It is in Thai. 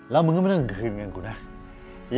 แล้วมึงก็ไม่ต้องคืนเงินกูนะ